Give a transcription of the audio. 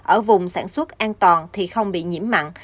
ở vùng sản xuất an toàn thì không bị nhiễm mặn